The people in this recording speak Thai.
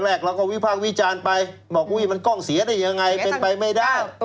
แรกเราก็วิพากษ์วิจารณ์ไปบอกอุ้ยมันกล้องเสียได้ยังไงเป็นไปไม่ได้